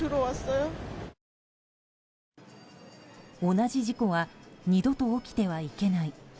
同じ事故は二度と起きてはいけない。